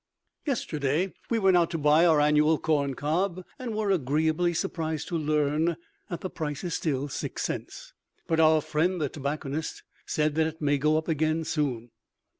Yesterday we went out to buy our annual corncob, and were agreeably surprised to learn that the price is still six cents; but our friend the tobacconist said that it may go up again soon.